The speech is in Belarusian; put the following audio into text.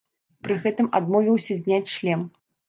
Пры гэтым адмовіўся зняць шлем.